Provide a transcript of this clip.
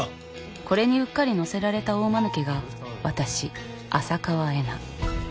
これにうっかり乗せられた大まぬけが私浅川恵那。